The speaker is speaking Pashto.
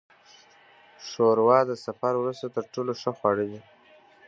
ښوروا د سفر وروسته تر ټولو ښه خواړه ده.